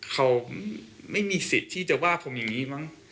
เขาไม่มีสิทธิ์ที่จะว่าผมอย่างนี้มั้ง